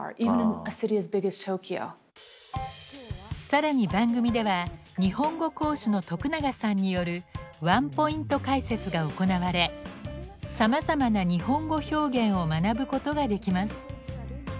更に番組では日本語講師の徳永さんによるワンポイント解説が行われさまざまな日本語表現を学ぶことができます。